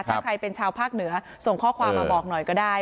ถ้าใครเป็นชาวภาคเหนือส่งข้อความมาบอกหน่อยก็ได้